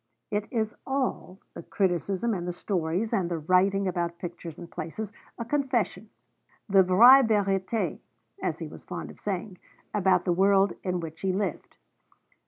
It is all, the criticism, and the stories, and the writing about pictures and places, a confession, the vraie vérité (as he was fond of saying) about the world in which he lived.